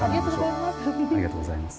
ありがとうございます。